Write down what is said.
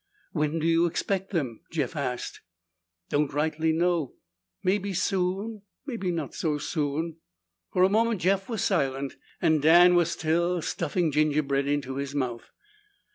"When do you expect them?" Jeff asked. "Don't rightly know. Maybe soon. Maybe not so soon." For a moment Jeff was silent and Dan was still stuffing gingerbread into his mouth.